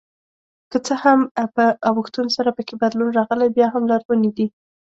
که څه هم په اوښتون سره پکې بدلون راغلی بیا هم لرغوني دي.